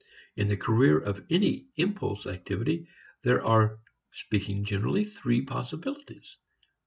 In the career of any impulse activity there are speaking generally three possibilities.